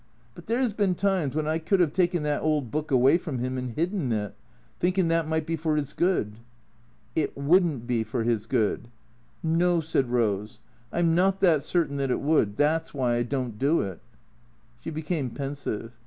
But there 's been times when I could have taken that old book away from him and hidden it, thinkin' that might be for his good." " It would n't be for his good." " No," said Eose, " I 'm not that certain that it would. That 's why I don't do it." She became pensive.